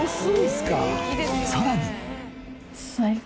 さらに。